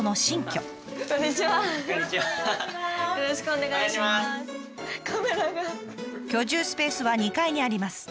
居住スペースは２階にあります。